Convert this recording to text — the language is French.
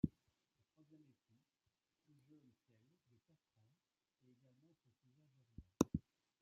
Ce troisième époux, plus jeune qu'elle de quatre ans, est également son cousin germain.